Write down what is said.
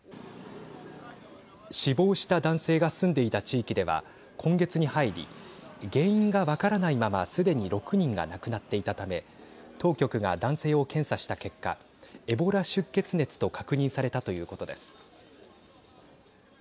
死亡した男性が住んでいた地域では今月に入り原因が分からないまますでに６人が亡くなっていたため当局が男性を検査した結果エボラ出血熱と確認されたということです。